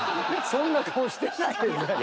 そんな顔してない。